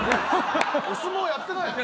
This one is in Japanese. ・お相撲やってないの？